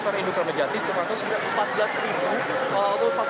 sayangnya di sini masih ada spark papa